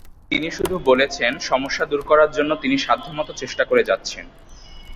তিনি শুধু বলেছেন, সমস্যা দূর করার জন্য তিনি সাধ্যমতো চেষ্টা করে যাচ্ছেন।